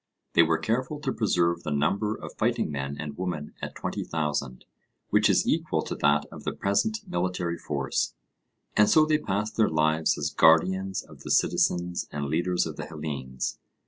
They were careful to preserve the number of fighting men and women at 20,000, which is equal to that of the present military force. And so they passed their lives as guardians of the citizens and leaders of the Hellenes.